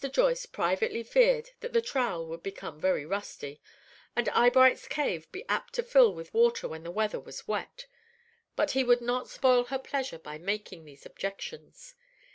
Joyce privately feared that the trowel would become very rusty, and Eyebright's cave be apt to fill with water when the weather was wet; but he would not spoil her pleasure by making these objections.